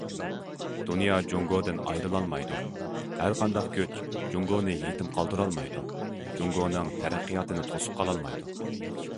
دۇنيا جۇڭگودىن ئايرىلالمايدۇ، ھەرقانداق كۈچ جۇڭگونى يېتىم قالدۇرالمايدۇ، جۇڭگونىڭ تەرەققىياتىنى توسۇپ قالالمايدۇ.